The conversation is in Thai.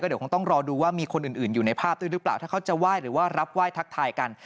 เดี๋ยวคงต้องรอดูว่ามีคนอื่นอยู่ในภาพด้วยหรือเปล่าถ้าเขาจะไหว้หรือว่ารับไหว้ทักทายกัน